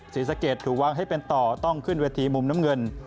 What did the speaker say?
ศรีสะเกดถูกวางให้เป็นต่อต้องขึ้นเวทีมุมน้ำเงิน